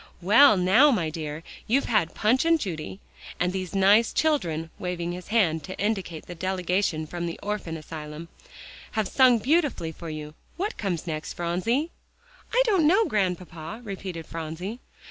"Well, now, my dear, you've had Punch and Judy, and these nice children," waving his hand to indicate the delegation from the orphan asylum, "have sung beautifully for you. Now what comes next, Phronsie?" "I don't know, Grandpapa," repeated Phronsie.